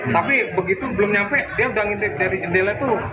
tapi begitu belum nyampe dia udah ngintip dari jendela tuh